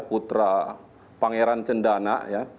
putra pangeran cendana ya